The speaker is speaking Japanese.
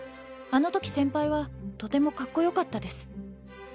あのとき先輩はとてもカッコ良かったです。